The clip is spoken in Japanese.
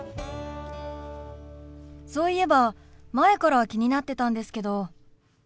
そういえば前から気になってたんですけど。